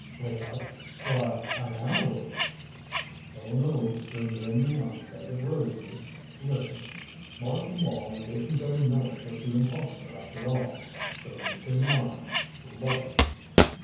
"Wake up? Why, I am awake " "Oh, no you're dreaming on a bed of roses. Listen! Martin Wall didn't go north with the impostor after all. Changed his mind. Look!"